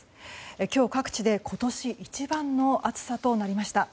今日各地で今年一番の暑さとなりました。